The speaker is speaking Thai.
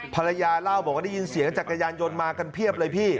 ภรรยาเล่าบอกว่าได้ยินเสียงจักรยานยนต์มากันเพียบเลยพี่